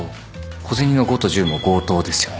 小銭の５と１０もゴートーですよね。